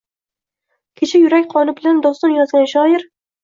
Kecha yurak qoni bilan doston yozgan shoir